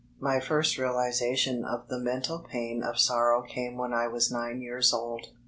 My first realization of the mental pain of sorrow came when I was nine years old.